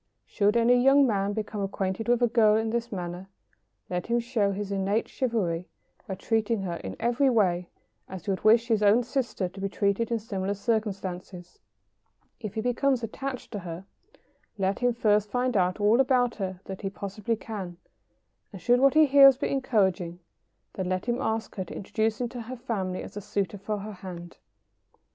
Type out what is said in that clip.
Should any young man become acquainted with a girl in this manner, let him show his innate chivalry by treating her in every way as he would wish his own sister to be treated in similar circumstances. [Sidenote: Should the man become attached.] If he becomes attached to her, let him first find out all about her that he possibly can, and should what he hears be encouraging, then let him ask her to introduce him to her family as a suitor for her hand.